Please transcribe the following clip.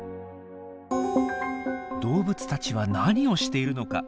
動物たちは何をしているのか？